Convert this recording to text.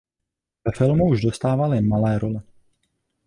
Ve filmu už dostával jen malé role.